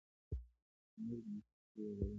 تنور د مسافر یادونه راولي